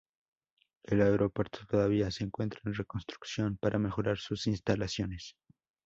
El aeropuerto todavía se encuentra en reconstrucción para mejorar sus instalaciones.